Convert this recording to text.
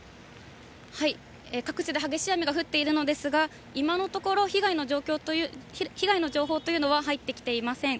各地で激しい雨が降っているのですが、今のところ、被害の情報というのは入ってきていません。